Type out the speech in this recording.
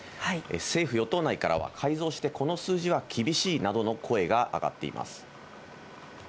政府・与党内からは、改造してこの数字は厳しいなどの声が上がっています。